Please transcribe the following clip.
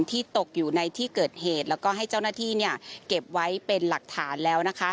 ตกอยู่ในที่เกิดเหตุแล้วก็ให้เจ้าหน้าที่เนี่ยเก็บไว้เป็นหลักฐานแล้วนะคะ